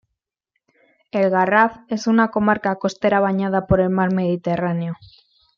El Garraf es una comarca costera bañada por el mar Mediterráneo.